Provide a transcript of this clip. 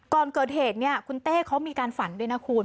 ก่อนเกิดเหตุเนี่ยคุณเต้เขามีการฝันด้วยนะคุณ